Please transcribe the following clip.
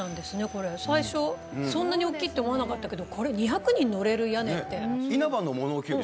これ最初そんなに大っきいって思わなかったけどこれ２００人乗れる屋根って。